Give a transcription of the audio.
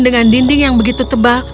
dengan dinding yang begitu tebal